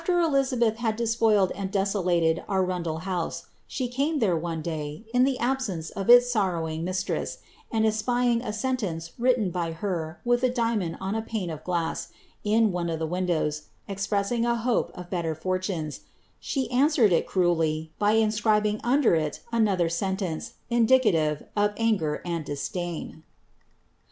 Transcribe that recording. ibeth had despoiled and desolated Arundel house, she came ly, in the absence of its sorrowing mistress, and espying a iten by her with a diamond on a pane of glass in one of the pressing a hope of better fortunes, she cruelly answered it, under it another sentence, indicative of anger and disdain.'